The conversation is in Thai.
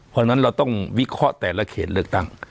เพราะฉะนั้นเราต้องวิเคราะห์แต่ละเขตเลือกตั้ง